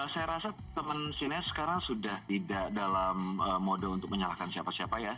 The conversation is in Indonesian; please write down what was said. saya rasa teman sinias sekarang sudah tidak dalam mode untuk menyalahkan siapa siapa ya